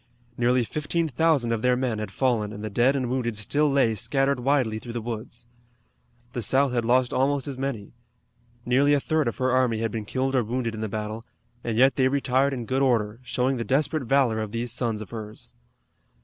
Nearly fifteen thousand of their men had fallen and the dead and wounded still lay scattered widely through the woods. The South had lost almost as many. Nearly a third of her army had been killed or wounded in the battle, and yet they retired in good order, showing the desperate valor of these sons of hers.